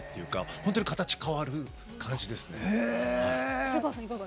本当に形が変わる感じですね。